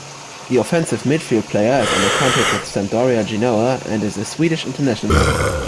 The offensive midfield player is under contract with Sampdoria Genoa and is a Swedish international.